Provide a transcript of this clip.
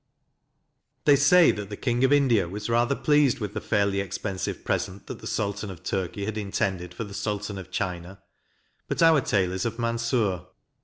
They say that the King of India was rather pleased with the fairly expensive present that the Sultan of Turkey had in tended for the Sultan of China, but our tale is of Mansur.